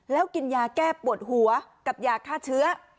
แล้วกินยาแก้ปวดหัวกับยาฆ่าเชื้อ